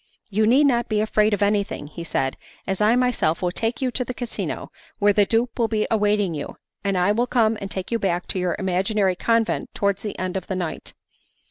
'You need not be afraid of anything,' said he, 'as I myself will take you to the casino where the dupe will be awaiting you, and I will come and take you back to your imaginary convent towards the end of the night.